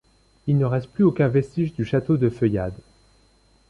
Il ne reste plus aucun vestige du château de Feuillade.